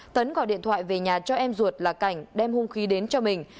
tấn gọi điện thoại về nhà cho em ruột là cảnh đem hung khí đến cho mình